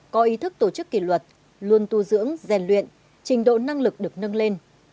có ý thức tổ chức kỷ luật luôn tu dưỡng rèn luyện trình độ năng lực được nâng lên